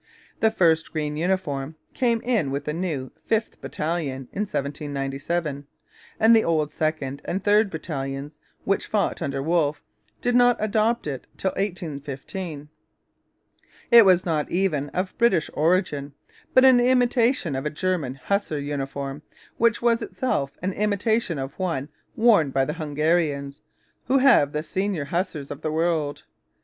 The first green uniform came in with the new 5th battalion in 1797; and the old 2nd and 3rd battalions, which fought under Wolfe, did not adopt it till 1815. It was not even of British origin, but an imitation of a German hussar uniform which was itself an imitation of one worn by the Hungarians, who have the senior hussars of the world.